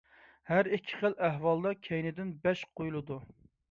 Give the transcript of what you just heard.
ھەر ئىككى خىل ئەھۋالدا كەينىدىن پەش قويۇلىدۇ.